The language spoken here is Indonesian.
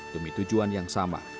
demi tujuan yang sama